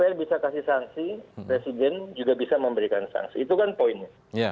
dpr bisa kasih sanksi presiden juga bisa memberikan sanksi itu kan poinnya